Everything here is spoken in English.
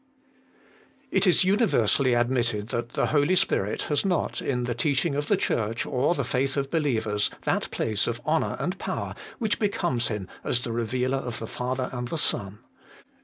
1. It it universally admitted that the Holy Spirit has not, In the teaching of the Church or the faith of believers, that place of honour and power, which becomes Him as the Reuealer of the Father and the Son.